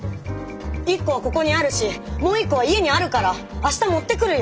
１個はここにあるしもう１個は家にあるから明日持ってくるよ！